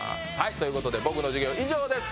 という事で僕の授業以上です。